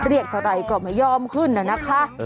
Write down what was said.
อือเรียกแต่ใดก็ไม่ยอมขึ้นน่ะนะคะ